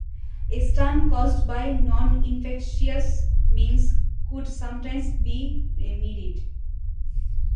A stunt caused by noninfectious means could sometimes be remedied.